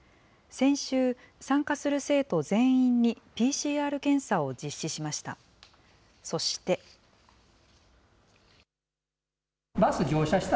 先週、参加する生徒全員にＰＣＲ検査を実施しました。